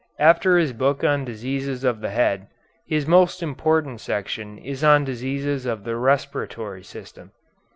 After his book on diseases of the head, his most important section is on diseases of the respiratory system.